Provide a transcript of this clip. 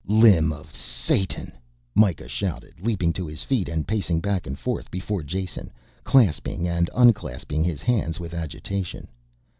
"Limb of Satan!" Mikah shouted, leaping to his feet and pacing back and forth before Jason, clasping and unclasping his hands with agitation.